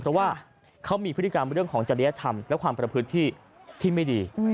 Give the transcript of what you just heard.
เพราะว่าเขามีพฤติกรรมเรื่องของจริยธรรมและความประพฤติที่ไม่ดี